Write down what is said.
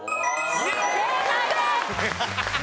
正解です。